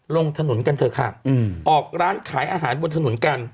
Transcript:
ลงถนนกันเถอะค่ะออกร้านขายอาหารบนถนนกัน